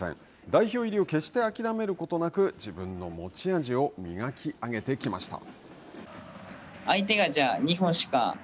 代表入りを決して諦めることなく、自分の持ち味を磨き上げてきました。